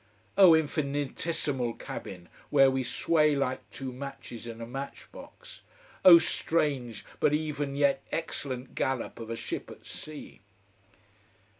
Oh, infinitesimal cabin, where we sway like two matches in a match box! Oh strange, but even yet excellent gallop of a ship at sea.